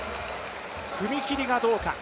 踏み切りがどうか。